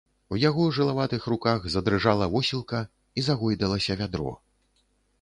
У яго жылаватых руках задрыжала восілка і загойдалася вядро.